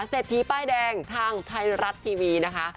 เศรษฐีป้ายแดงทางไทยรัฐทีวีนะคะ